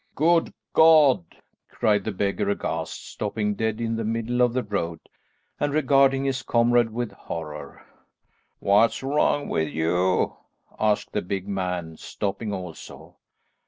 "Good God!" cried the beggar aghast, stopping dead in the middle of the road and regarding his comrade with horror. "What's wrong with you?" asked the big man stopping also.